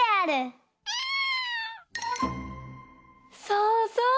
そうそう。